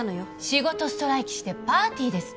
仕事ストライキしてパーティーですって。